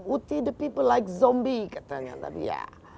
apa orang orang itu seperti zombie